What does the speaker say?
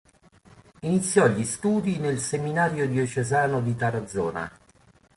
Iniziò gli studi nel seminario diocesano di Tarazona.